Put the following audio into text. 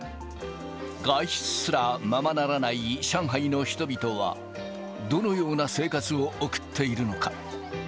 外出すらままならない上海の人々は、どのような生活を送っているのか。